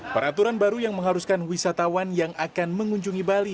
peraturan baru yang mengharuskan wisatawan yang akan mengunjungi bali